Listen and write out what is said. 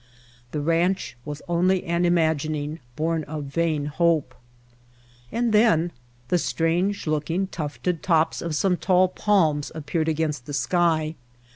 The ranch was only an imagining, born of vain hope. And then the strange looking, tufted tops of some tall palms appeared against the sky.